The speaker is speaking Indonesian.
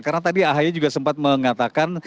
karena tadi ahaya juga sempat mengatakan